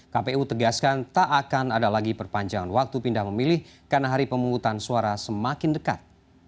kpu tegaskan tak akan ada lagi perpanjangan waktu pindah memilih karena hari pemungutan suara semakin dekat